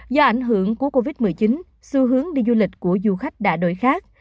do ảnh hưởng của covid một mươi chín xu hướng đi du lịch của du khách đã đổi khác